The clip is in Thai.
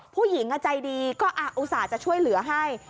ผู้หญิงใจดีก็อุตส่าห์จะช่วยเหลือให้